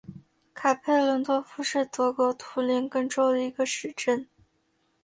卡佩伦多夫是德国图林根州的一个市镇。